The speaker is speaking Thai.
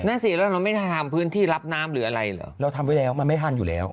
นั่นสิแล้วเราไม่ได้ทำพื้นที่รับน้ำหรืออะไรเหรอเราทำไว้แล้วมันไม่ทันอยู่แล้ว